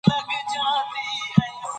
که پانګونه زیاته سي نوي کارونه به پیدا سي.